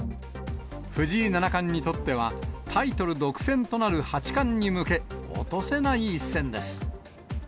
藤井七冠にとっては、タイトル独占となる八冠に向け、落とせない一戦です。